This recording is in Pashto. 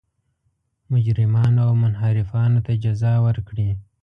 مجرمانو او منحرفانو ته جزا ورکړي.